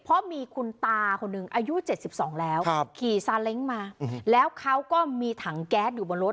เพราะมีคุณตาคนหนึ่งอายุเจ็ดสิบสองแล้วครับขี่มาแล้วเขาก็มีถังแก๊สอยู่บนรถ